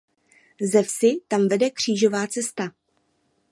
Ze vsi tam vede křížová cesta.